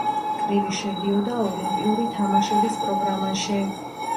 კრივი შედიოდა ოლიმპიური თამაშების პროგრამაში.